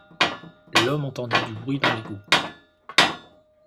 L’homme entendit du bruit dans l’égout.